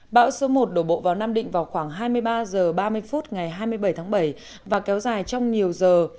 bão số một đổ bộ vào nam định vào khoảng hai mươi ba h ba mươi phút ngày hai mươi bảy tháng bảy và kéo dài trong nhiều giờ